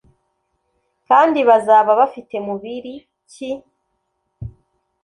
Kandi bazaba bafite mubiri ki